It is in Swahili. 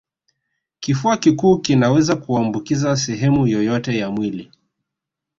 Kifua kikuu kinaweza kuambukiza sehemu yoyote ya mwili